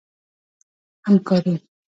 همکاري